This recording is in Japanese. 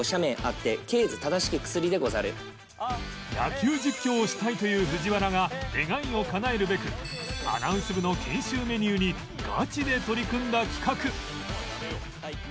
野球実況をしたいという藤原が願いをかなえるべくアナウンス部の研修メニューにガチで取り組んだ企画